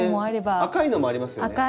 赤いのもありますよね。